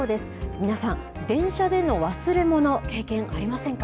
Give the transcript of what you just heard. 皆さん、電車での忘れ物、経験、ありませんか。